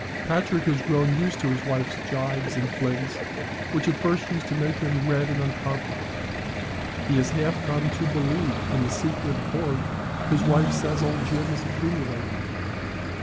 Patrick has grown used to his wife's gibes and flings, which at first used to make him red and uncomfortable. He has half come to believe in the secret hoard his wife says old Jim is accumulating.